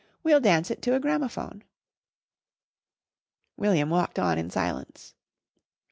We'll dance it to a gramophone." William walked on in silence.